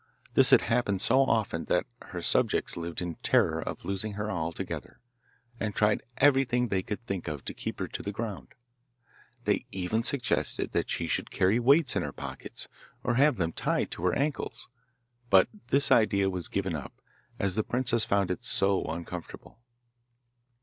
This had happened so often that her subjects lived in terror of losing her altogether, and tried everything they could think of to keep her to the ground. They even suggested that she should carry weights in her pockets, or have them tied to her ankles; but this idea was given up, as the princess found it so uncomfortable.